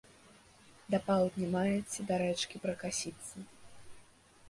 Да паўдня маеце да рэчкі пракасіцца?